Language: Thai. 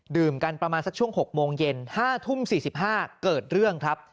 กันประมาณสักช่วง๖โมงเย็น๕ทุ่ม๔๕เกิดเรื่องครับ